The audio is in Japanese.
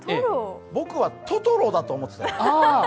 僕はトトロだと思ってた。